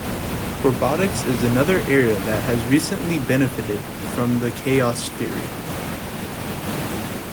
Robotics is another area that has recently benefited from chaos theory.